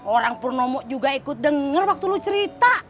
orang purnomo juga ikut denger waktu lu cerita